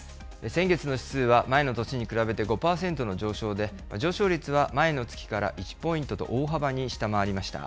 先月の指数は前の年に比べて５％の上昇で、上昇率は前の月から１ポイントと大幅に下回りました。